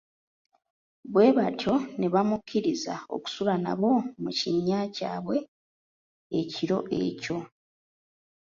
Bwe batyo ne bamukkiriza okusula nabo mu kinnya kyabwe ekilo ekyo.